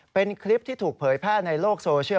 เป็นคลิปที่ถูกเผยแพร่ในโลกโซเชียล